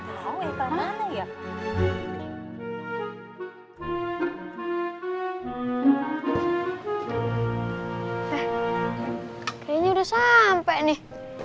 eh kayaknya udah sampe nih